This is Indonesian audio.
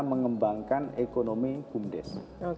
mengembangkan ekonomi kumdes